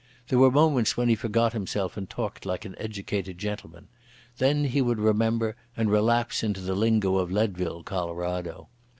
There were moments when he forgot himself and talked like an educated gentleman: then he would remember, and relapse into the lingo of Leadville, Colorado.